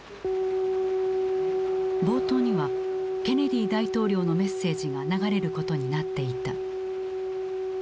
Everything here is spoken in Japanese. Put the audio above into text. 冒頭にはケネディ大統領のメッセージが流れることになっていた。